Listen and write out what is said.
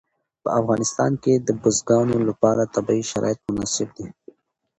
په افغانستان کې د بزګانو لپاره طبیعي شرایط مناسب دي.